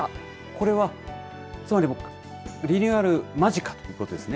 これはつまりもうリニューアル間近ということですね。